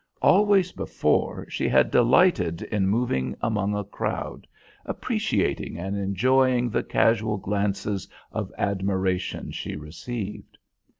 Always before, she had delighted in moving among a crowd, appreciating and enjoying the casual glances of admiration she received.